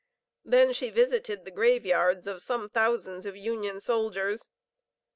Then she visited the grave yards of some thousands of Union soldiers.